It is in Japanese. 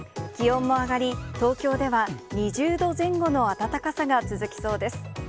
気温も上がり、東京では２０度前後の暖かさが続きそうです。